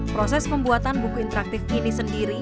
proses pembuatan buku interaktif ini sendiri